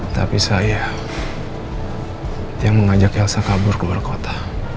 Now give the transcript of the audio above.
tapi saya yang mengajak elsa kabur keluar kota